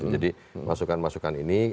jadi masukan masukan ini